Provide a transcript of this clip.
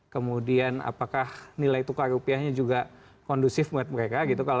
kemudian apakah nilai tukar rupiahnya juga kondusif buat mereka gitu